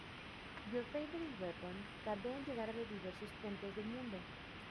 Your Favorite Weapon tardó en llegar a los diversos puntos del mundo.